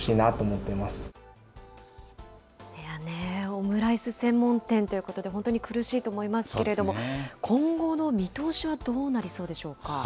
オムライス専門店ということで、本当に苦しいと思いますけれども、今後の見通しはどうなりそうでしょうか。